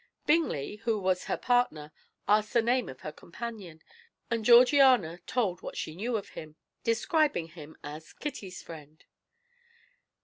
Bingley, who was her partner, asked the name of her companion, and Georgiana told what she knew of him, describing him as Kitty's friend.